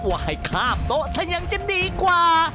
ว่ากล้ามโตะนี้ส่วนยังจะดีกว่า